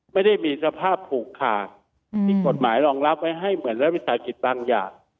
ไม่ได้มีสภาพผูกขาดที่กฎหมายรองรับไว้ให้เหมือนรัฐวิสาหกิจบางอย่าง